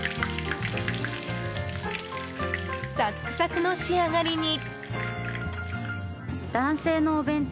サックサクの仕上がりに。